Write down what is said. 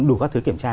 đủ các thứ kiểm tra